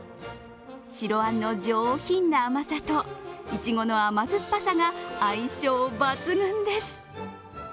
白あんの上品な甘さと、いちごの甘酸っぱさが相性抜群です。